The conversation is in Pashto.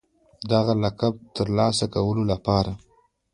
د دغه لقب د ترلاسه کولو لپاره